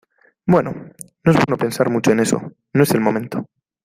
bueno, no es bueno pensar mucho en eso , no es el momento.